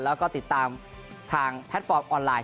แล้วก็ติดตามทางแพลตฟอร์มออนไลน